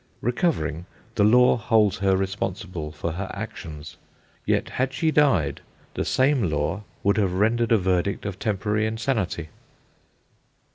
Recovering, the Law holds her responsible for her actions; yet, had she died, the same Law would have rendered a verdict of temporary insanity.